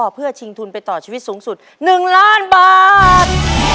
เพื่อชิงทุนไปต่อชีวิตสูงสุด๑ล้านบาท